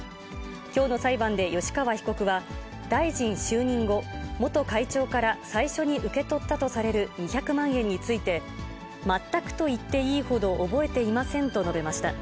きょうの裁判で吉川被告は、大臣就任後、元会長から最初に受け取ったとされる２００万円について、全くと言っていいほど覚えていませんと述べました。